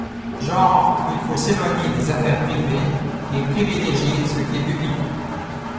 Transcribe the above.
Genre il faut s’éloigner des affaires privées et privilégier ce qui est public…